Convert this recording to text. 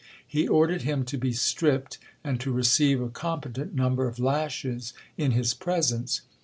He ordered him to be stripped, and to receive a competent number of lashes in his presence.